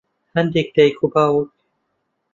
هەندێک دایک و باوک